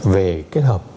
về kết hợp